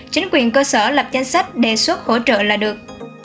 chính quyền cơ sở lập danh sách đề xuất hỗ trợ là được